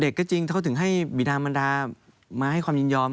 เด็กก็จริงเขาถึงให้บีรามรามาให้ความยินยอม